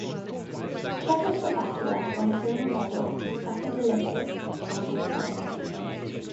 Czechoslovakia won a silver medal at the second Olympic handball tournament.